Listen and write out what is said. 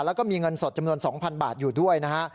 แล้วก็มีเงินสดจำนวน๒๐๐บาทอยู่ด้วยนะฮะ